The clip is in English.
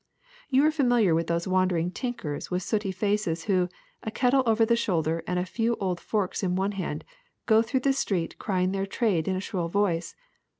^^You are familiar with those wandering tinkers with sooty faces who, a kettle over the shoulder and a few old forks in one hand, go through the street, crying their trade in a shrill voice.